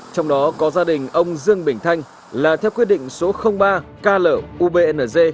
trong đó có gia đình ông dương bình thanh là theo quyết định số ba kl ubnz